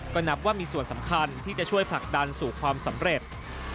ก็นับว่ามีส่วนสำคัญที่จะช่วยผลักดันสู่ความสำเร็จ